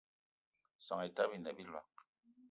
Soan Etaba ine a biloig